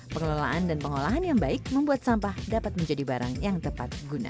pengelolaan dan pengolahan yang baik membuat sampah dapat menjadi barang yang tepat guna